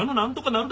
なる？